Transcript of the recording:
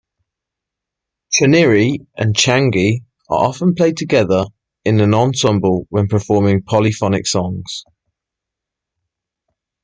Chuniri and Changi are often played together in an ensemble when performing polyphonic songs.